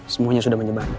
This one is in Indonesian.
semuanya sudah menyebar